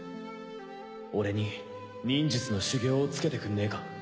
俺に忍術の修業をつけてくんねえか？